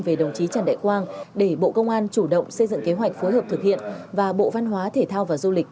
về đồng chí trần đại quang để bộ công an chủ động xây dựng kế hoạch phối hợp thực hiện và bộ văn hóa thể thao và du lịch